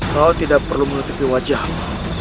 kau tidak perlu menutupi wajahmu